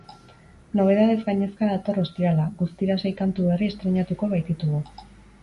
Nobedadez gainezka dator ostirala, guztira sei kantu berri estreinatuko baititugu.